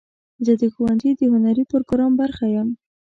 زه د ښوونځي د هنري پروګرام برخه یم.